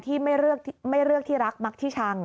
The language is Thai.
ที่ไม่เลือกที่รักมักที่ชัง